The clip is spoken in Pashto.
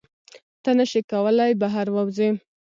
ته نشې کولی بهر ووځې.